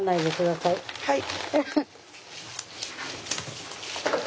はい。